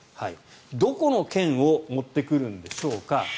どこの腱を持ってくるんでしょうか。